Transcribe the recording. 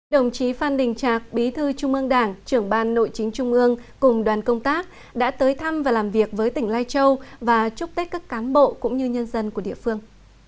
đồng chí phan đình trạc bí thư trung ương đảng trưởng ban nội chính trung ương cùng đoàn công tác đã tới thăm và làm việc với tỉnh lai châu và chúc tết các cán bộ cũng như nhân dân của địa phương